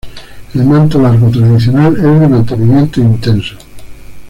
El manto largo tradicional es de mantenimiento intenso.